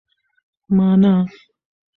مانا